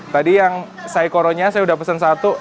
tadi yang saikoronya saya sudah pesan satu